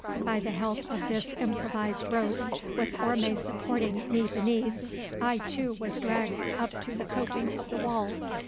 By the help of this improvised rope, with Orme supporting me beneath, I, too, was dragged up to the coping of the wall.